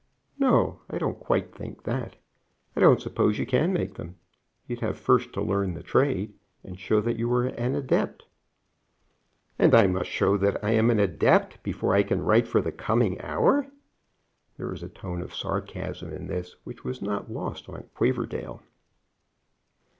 "No, I don't quite think that. I don't suppose you can make them. You'd have first to learn the trade and show that you were an adept." "And I must show that I am an adept before I can write for The Coming Hour." There was a tone of sarcasm in this which was not lost on Quaverdale.